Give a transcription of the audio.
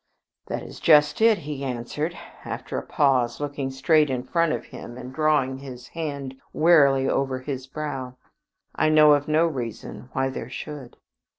"That is just it," he answered, after a pause, looking straight in front of him and drawing his hand wearily over his brow. "I know of no reason why there should."